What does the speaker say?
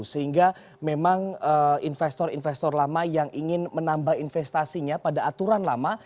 sehingga memang investor investor lama yang ingin menambah investasinya pada aturan lama